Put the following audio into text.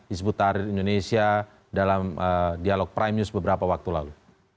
isbutarir indonesia dalam dialog prime news beberapa waktu lalu